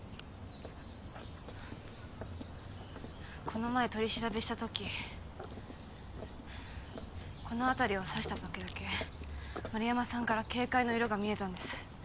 この前取り調べしたときこの辺りを指したときだけ円山さんから「警戒」の色が見えたんです。